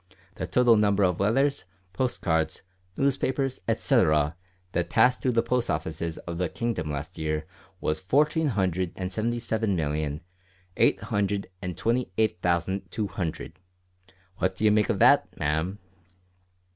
The total number of letters, post cards, newspapers, etcetera, that passed through the Post Offices of the kingdom last year was fourteen hundred and seventy seven million eight hundred and twenty eight thousand two hundred! What d'ye make o' that, ma'am?"